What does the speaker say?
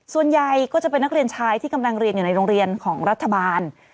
ส่วนใหญ่ก็จะเป็นนักเรียนชายที่กำลังเรียนอยู่ในโรงเรียนของรัฐบาล